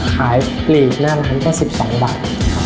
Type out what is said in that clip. ขายปลีกหน้าหลังก็๑๒บาท